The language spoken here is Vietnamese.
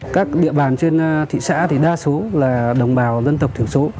các địa bàn trên thị xã thì đa số là đồng bào dân tộc thiểu số